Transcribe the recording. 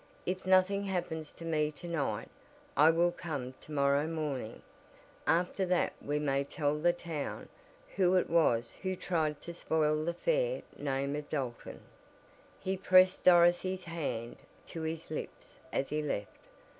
If nothing happens to me to night I will come to morrow morning, after that we may tell the town who it was who tried to spoil the fair name of Dalton." He pressed Dorothy's hand to his lips as he left.